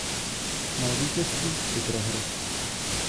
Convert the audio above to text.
Znal vítězství i prohry.